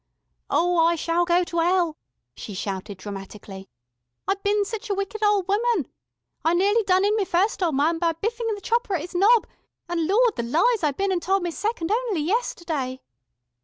"Ow, I shall go to 'ell," she shouted dramatically. "I bin sich a wicked ol' woman. I nearly done in me first ol' man by biffin' the chopper at 'is nob, and Lawd, the lies I bin an' tol' me second only yesterday."